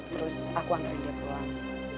terus aku anggaran dia pulang